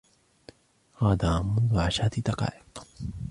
غادر منذ عشرة دقائق.